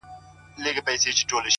فقير نه يمه سوالگر دي اموخته کړم ـ